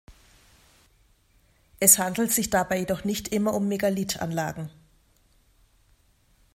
Es handelt sich dabei jedoch nicht immer um Megalithanlagen.